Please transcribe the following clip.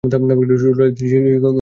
সুদালাইয়ের শিক্ষক তার উপর চিৎকার করে।